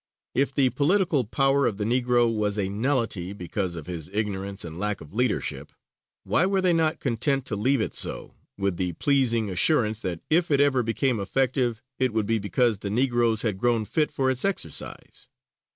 If the political power of the Negro was a nullity because of his ignorance and lack of leadership, why were they not content to leave it so, with the pleasing assurance that if it ever became effective, it would be because the Negroes had grown fit for its exercise?